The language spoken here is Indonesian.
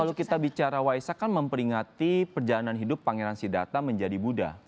kalau kita bicara waisak kan memperingati perjalanan hidup pangeran sidatta menjadi buddha